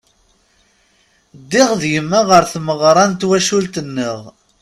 Ddiɣ d yemma ɣer tmeɣra n twacult-nneɣ.